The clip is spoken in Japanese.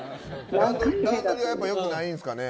段取りはやっぱよくないんですかね。